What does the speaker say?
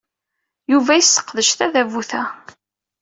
Yuba yesseqdec tadabut-a.